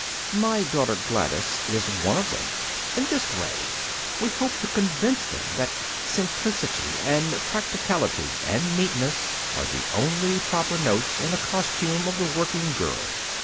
My daughter Gladys is one of them. In this way, we hope to convince them that simplicity, and practicality, and neatness are the only proper notes in the costume of the working girl.